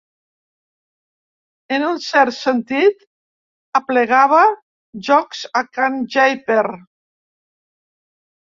En un cert sentit, aplegava jocs a can Geyper.